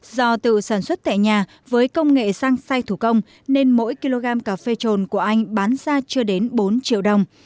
do tự sản xuất tại nhà với công nghệ sang xay thủ công nên mỗi kg cà phê trồn của anh bán ra chưa đến bốn triệu đồng